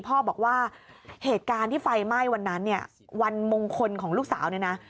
พ่อบอกว่าเหตุการณ์ที่ไฟไหม้วันนั้นเนี่ยวันมงคลของลูกสาวเนี่ยนะ